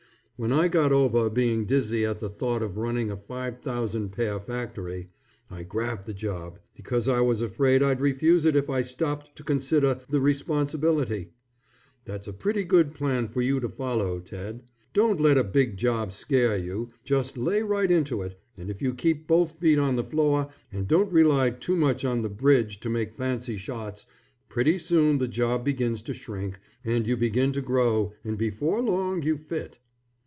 When I got over being dizzy at the thought of running a five thousand pair factory, I grabbed the job, because I was afraid I'd refuse it if I stopped to consider the responsibility. That's a pretty good plan for you to follow, Ted. Don't let a big job scare you, just lay right into it, and if you keep both feet on the floor and don't rely too much on the bridge to make fancy shots, pretty soon the job begins to shrink, and you begin to grow, and before long you fit.